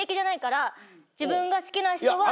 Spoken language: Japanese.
自分が好きな人は。